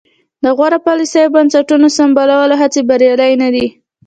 د غوره پالیسیو او بنسټونو سمبالولو هڅې بریالۍ نه دي.